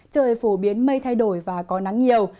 trời phổ biến mây thay đổi và có nắng nhiều